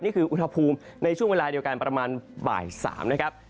นี่คืออุณหภูมิในช่วงเวลาเดียวกันประมาณบ่าย๓นะครับ